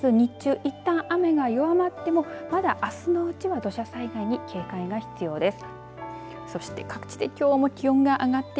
あす日中いったん雨が弱まってもまだ、あすのうちは土砂災害に警戒が必要です。